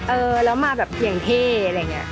เออแล้วมาแบบเสียงเท่อะไรอย่างนี้